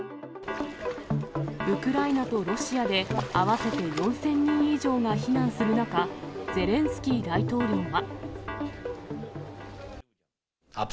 ウクライナとロシアで合わせて４０００人以上が避難する中、ゼレンスキー大統領は。